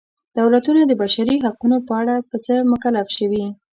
دولتونه د بشري حقونو په اړه په څه مکلف شوي.